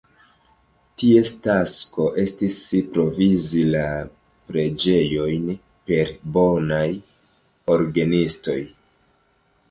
Ties tasko estis provizi la preĝejojn per bonaj orgenistoj.